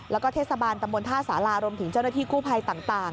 แล้วก็เทศบาลตำบลท่าสารารวมถึงเจ้าหน้าที่กู้ภัยต่าง